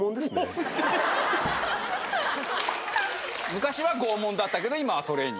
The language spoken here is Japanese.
昔は拷問だったけど今はトレーニング。